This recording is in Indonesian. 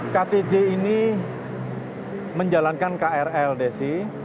kcj ini menjalankan krl desi